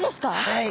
はい。